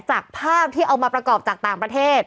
จากภาพที่เอามาประกอบจากต่างประเทศ